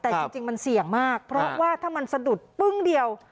แต่จริงมันเสี่ยงมากเพราะว่าถ้ามันสะดุดปึ้งเดียว